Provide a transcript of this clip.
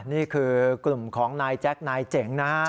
นี่คือกลุ่มของนายแจ็คนายเจ๋งนะฮะ